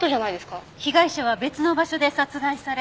被害者は別の場所で殺害され